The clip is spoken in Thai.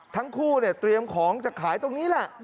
ทั้งคู่เนี่ยเตรียมของจะขายตรงนี้แหละ